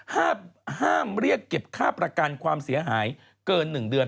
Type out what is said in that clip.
ห้ามเรียกเก็บค่าประกันความเสียหายเกิน๑เดือน